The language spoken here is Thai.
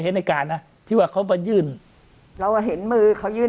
เห็นเอกาารน่ะที่ว่าเขามายื่นเราว่าเห็นมือเขายื่น